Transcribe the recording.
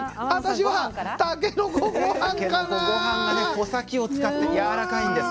穂先を使ってやわらかいんです。